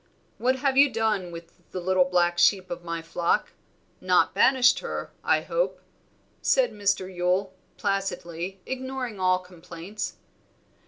"What have you done with the little black sheep of my flock, not banished her, I hope?" said Mr. Yule, placidly, ignoring all complaints.